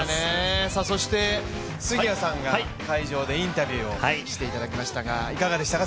そして杉谷さんが会場でインタビューをしていただきましたがいかがでしたか？